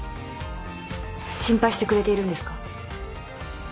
心配してくれているんですか？